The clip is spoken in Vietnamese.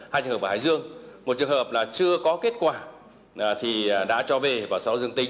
hai trường hợp ở hải dương một trường hợp là chưa có kết quả thì đã cho về và sau dương tính